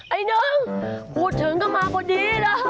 ไอ้หนึ่งพูดถึงก็มาพอดีเลย